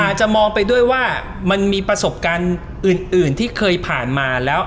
อาจจะมองไปด้วยว่ามันมีประสบการณ์อื่นที่เคยผ่านมาแล้ว